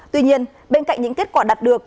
tuy nhiên bên cạnh những kết quả đạt được